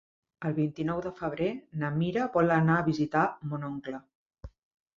El vint-i-nou de febrer na Mira vol anar a visitar mon oncle.